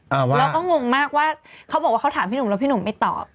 เราก็งงมากว่าเขาบอกว่าเขาถามพี่หนุ่มแล้วพี่หนุ่มไม่ตอบ